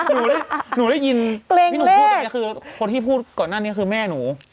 หนูได้หนูได้ยินเกรงเลขพี่หนูพูดอันนี้คือคนที่พูดก่อนหน้านี้คือแม่หนู